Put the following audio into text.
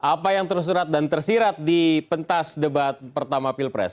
apa yang tersurat dan tersirat di pentas debat pertama pilpres